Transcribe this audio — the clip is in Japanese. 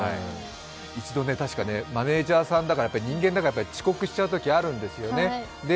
一度、マネージャーさんも人間だから、遅刻しちゃうときあるんですよね。